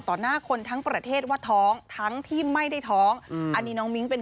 ต่อหน้าคนทั้งประเทศว่าท้องทั้งที่ไม่ได้ท้อง